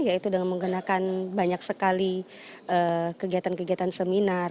yaitu dengan menggunakan banyak sekali kegiatan kegiatan seminar